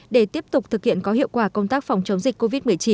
để tiếp tục thực hiện có hiệu quả công tác phòng chống dịch covid một mươi chín